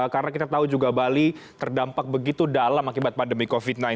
karena kita tahu juga bali terdampak begitu dalam akibat pandemi covid sembilan belas